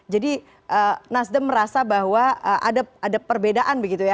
jadi nasdem merasa bahwa ada perbedaan begitu ya